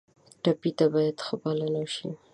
ټپي ته باید ښه پالنه وشي.